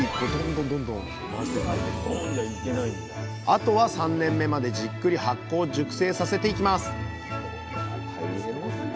あとは３年目までじっくり発酵・熟成させていきます